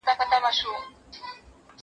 زه سينه سپين کړی دی